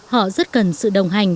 họ rất cần sự đồng hành